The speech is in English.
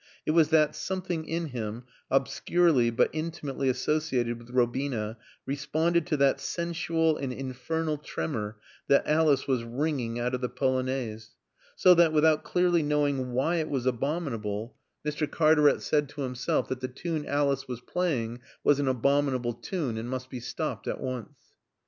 It was that something in him, obscurely but intimately associated with Robina, responded to that sensual and infernal tremor that Alice was wringing out of the Polonaise. So that, without clearly knowing why it was abominable, Mr. Cartaret said to himself that the tune Alice was playing was an abominable tune and must be stopped at once.